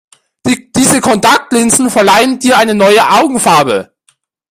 Diese Kontaktlinsen verleihen dir eine neue Augenfarbe.